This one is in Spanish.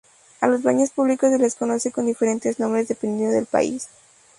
A los baños públicos se les conoce con diferentes nombres dependiendo del país.